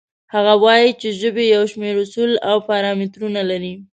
هغه وایي چې ژبې یو شمېر اصول او پارامترونه لري.